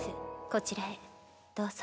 こちらへどうぞ。